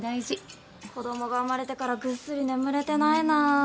子供が生まれてからぐっすり眠れてないなぁ。